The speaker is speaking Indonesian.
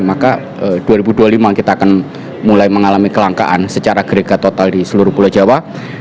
maka dua ribu dua puluh lima kita akan mulai mengalami kelangkaan secara gregat total di seluruh pulau jawa